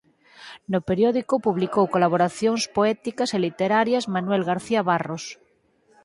No periódico publicou colaboracións poéticas e literarias Manuel García Barros.